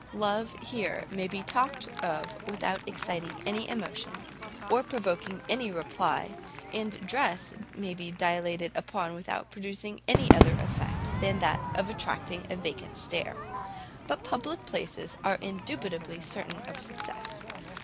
Love, here, may be talked of without exciting any emotion, or provoking any reply, and dress may be dilated upon without producing any other effect than that of attracting a vacant stare; but public places are indubitably certain of success.